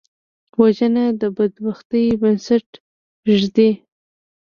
وژنه د بدبختۍ بنسټ ږدي